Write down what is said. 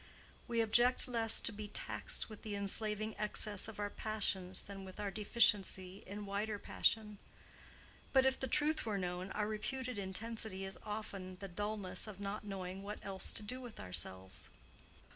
We object less to be taxed with the enslaving excess of our passions than with our deficiency in wider passion; but if the truth were known, our reputed intensity is often the dullness of not knowing what else to do with ourselves.